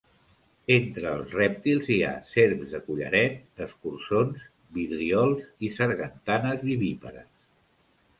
Entre els rèptils hi ha serps de collaret, escurçons, vidriols i sargantanes vivípares.